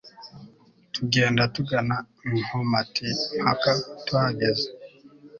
tugenda tugana nkomati mpaka tuhageze